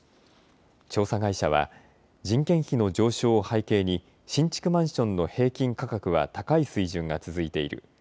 調査会社は人件費の上昇を背景に新築マンションの平均価格は高い水準が続いている。